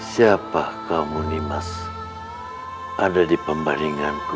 siapa kamu nih mas ada di pembalinganku